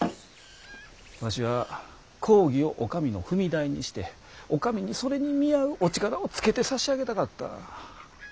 わしは公儀をお上の踏み台にしてお上にそれに見合うお力をつけて差し上げたかった。